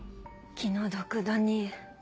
気の毒だに。